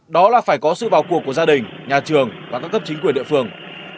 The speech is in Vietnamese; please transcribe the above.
đó là phải có sự vào cuộc của gia đình nhà trường và các cấp chính quyền địa phương